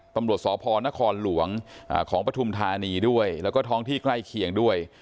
ตำรวจสพนครหลวงของปฐุมธานีด้วยแล้วก็ท้องที่ใกล้เคียงด้วย